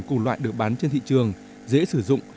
cùng loại được bán trên thị trường dễ sử dụng